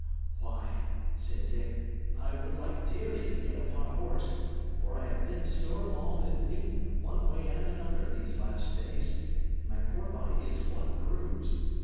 "Why," said Dick, "I would like dearly to get upon a horse; for I have been sore mauled and beaten, one way and another, these last days, and my poor body is one bruise.